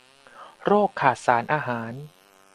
โรคขาดสารอาหาร